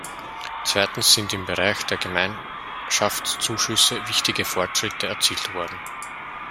Zweitens sind im Bereich der Gemeinschaftszuschüsse wichtige Fortschritte erzielt worden.